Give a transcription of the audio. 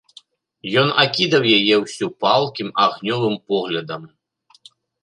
Ён акідаў яе ўсю палкім, агнёвым поглядам.